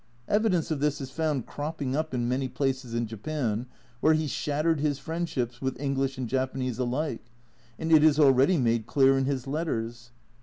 Evidence of this is found cropping up in many places in Japan, where he shattered his friendships with English and Japanese alike ; and it is already made clear in his Letters.